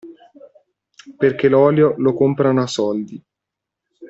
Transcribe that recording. Perché l'olio lo comprano a soldi.